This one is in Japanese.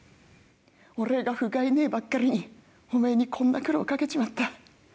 俺がふがいねえばっかりにお前に、こんな苦労をかけちまった。